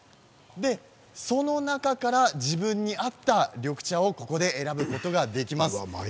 その中から、自分に合った緑茶を選ぶことができます。